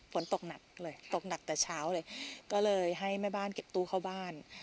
ฝนตกหนักเลยตกหนักแต่เช้าเลยก็เลยให้แม่บ้านเก็บตู้เข้าบ้าน